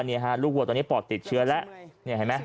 นี่ฮะลูกวัวตอนนี้ปอดติดเชื้อแล้วเนี่ยเห็นไหม